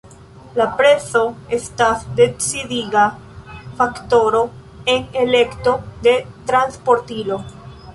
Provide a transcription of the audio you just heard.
La prezo estas decidiga faktoro en elekto de transportilo.